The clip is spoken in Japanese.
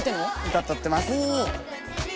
歌歌ってます！